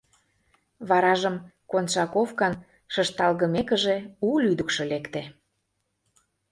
Варажым «Коншаковкан» шышталгымекыже, у лӱдыкшӧ лекте.